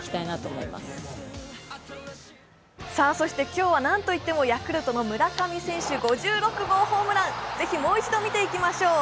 今日は何といっても、ヤクルトの村上選手、５６号ホームラン、ぜひもう一度見ていきましょう。